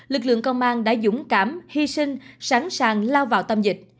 lực lượng công an đã dũng cảm hy sinh sẵn sàng lao vào tâm dịch